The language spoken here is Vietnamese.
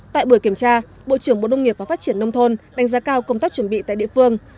tại buổi kiểm tra bộ trưởng bộ nông nghiệp và phát triển nông thôn đánh giá cao công tác chuẩn bị tại địa phương